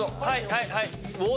はいはい！